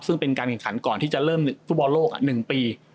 ซึ่งเป็นการแข่งขันก่อนที่จะเริ่มฟุตบอลโลก๑ปี